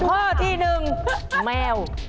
ข้อที่๑แมว